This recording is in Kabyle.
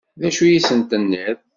D acu i sent-tenniḍ?